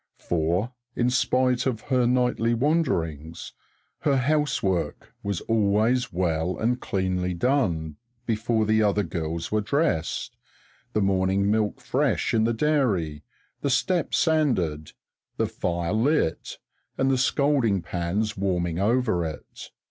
For, in spite of her nightly wanderings, her housework was always well and cleanly done before other girls were dressed the morning milk fresh in the dairy, the step sanded, the fire lit and the scalding pans warming over it.